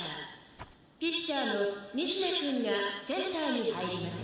ピッチャーの仁科くんがセンターに入ります」。